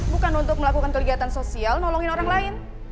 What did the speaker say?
bukan untuk melakukan kegiatan sosial nolongin orang lain